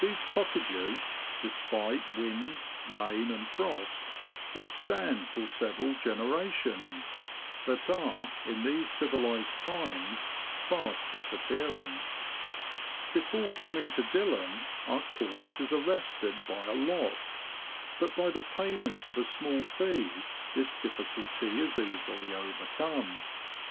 These cottages, despite wind, rain, and frost, will stand for several generations, but are, in these civilised times, fast disappearing. Before coming to Dilham our course is arrested by a lock, but by the payment of a small fee this diffi culty is easily overcome.